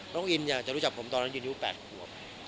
น้องอินเนี่ยจะรู้จักผมตอนนั้นยืนยูน๘ครัว